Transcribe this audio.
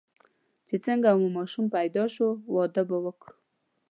چې څنګه مو ماشوم پیدا شو، واده به وکړو.